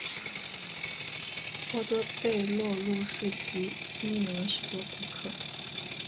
波多贝罗路市集吸引了许多游客。